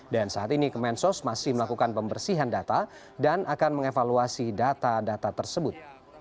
dan saat ini kemensos masih melakukan pembersihan data dan akan mengevaluasi data data tersebut